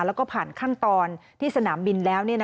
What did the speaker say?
แล้วก็ผ่านขั้นตอนที่สนามบินแล้ว